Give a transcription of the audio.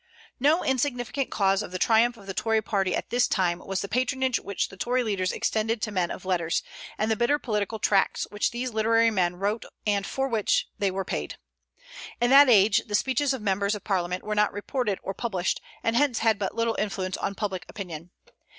No insignificant cause of the triumph of the Tory party at this time was the patronage which the Tory leaders extended to men of letters, and the bitter political tracts which these literary men wrote and for which they were paid. In that age the speeches of members of Parliament were not reported or published, and hence had but little influence on public opinion.